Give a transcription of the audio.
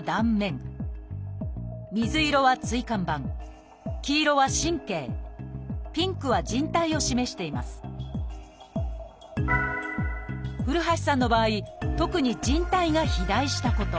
水色は椎間板黄色は神経ピンクはじん帯を示しています古橋さんの場合特にじん帯が肥大したこと。